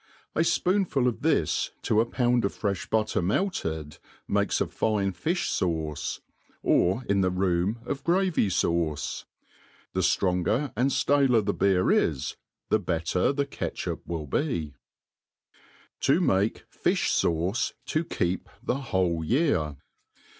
A fpoonful of this to a pound of frefh butter melted, makes a fine fi(h fauce; pr in the room of gravy^fauce. The ftronger and ftaler the beer Uj the better the catchup will be* ^ To make Fijh Sauce to keep the whole Tear.